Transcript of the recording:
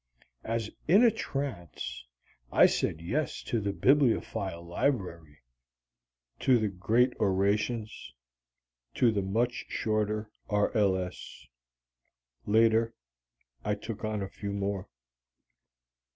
As in a trance, I said yes to the "Bibliophile Library," to the Great Orations, to the much shorter R. L. S. Later I took on a few more.